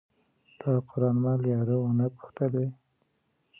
تا قران مل یارو ونه پوښتلئ